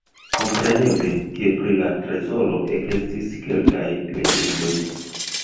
Kompreneble, ke pri la trezoro ekestis kelkaj legendoj.